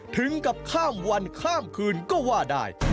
ถึงกับข้ามวันข้ามคืนก็ว่าได้